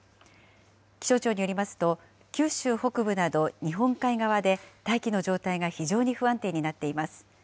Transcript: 気象庁によりますと、九州北部など日本海側で大気の状態が非常に不安定になっています。